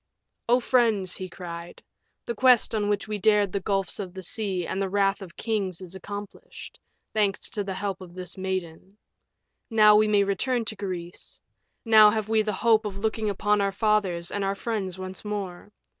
"O friends," he cried, "the quest on which we dared the gulfs of the sea and the wrath of kings is accomplished, thanks to the help of this maiden. Now may we return to Greece; now have we the hope of looking upon our fathers and our friends once more.